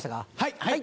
はい！